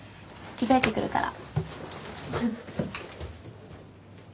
着替えてくるから。